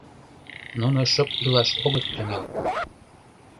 — Нуно шып илаш огыт тӱҥал”.